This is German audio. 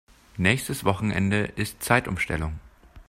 Nächstes Wochenende ist Zeitumstellung.